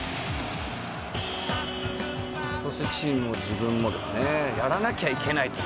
「そしてチームも自分もですねやらなきゃいけないという」